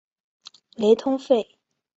雷通费。